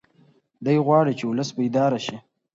دی غواړي چې ولس بیدار شي.